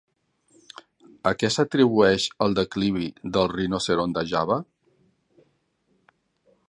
A què s'atribueix el declivi del rinoceront de Java?